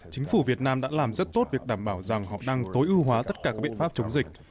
chính phủ việt nam đã làm rất tốt việc đảm bảo rằng họ đang tối ưu hóa tất cả các biện pháp chống dịch